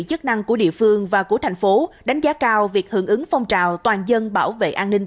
chức năng của địa phương và của thành phố đánh giá cao việc hưởng ứng phong trào toàn dân bảo vệ an ninh